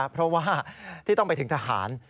เพราะว่าที่ต้องไปถึงทหาร